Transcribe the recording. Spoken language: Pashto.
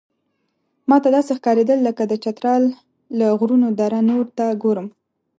ماته داسې ښکارېدل لکه د چترال له غرونو دره نور ته ګورم.